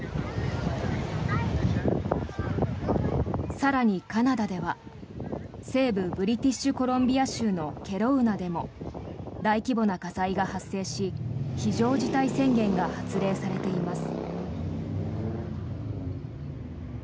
更に、カナダでは西部ブリティッシュコロンビア州のケロウナでも大規模な火災が発生し非常事態宣言が発令されています。